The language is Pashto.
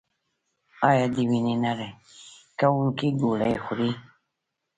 ایا د وینې نری کوونکې ګولۍ خورئ؟